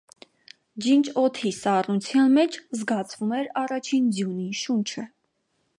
Ջինջ օդի սառնության մեջ զգացվում էր առաջին ձյունի շունչը: